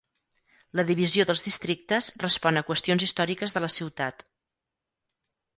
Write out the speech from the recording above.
La divisió dels districtes respon a qüestions històriques de la ciutat.